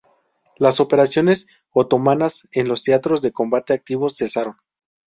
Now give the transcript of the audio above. Las operaciones otomanas en los teatros de combate activos cesaron.